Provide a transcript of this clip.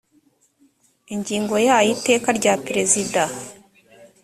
ingingo ya y iteka rya perezida